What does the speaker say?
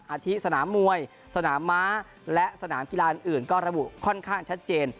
อาทิตสนามมวยสนามม้าและสนามกีฬาอื่นก็ระบุค่อนข้างชัดเจน